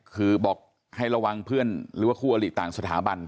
คือบอกให้ระวังเพื่อนหรือว่าคู่อลิต่างสถาบัน